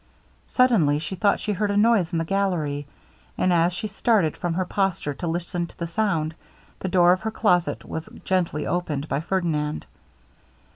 Suddenly she thought she heard a noise in the gallery; and as she started from her posture to listen to the sound, the door of her closet was gently opened by Ferdinand.